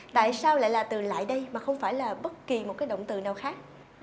tại sao lại là từ lại đây mà không phải là bất kỳ một cái động từ nào khác